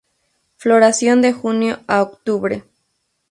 Floración de junio a octubre.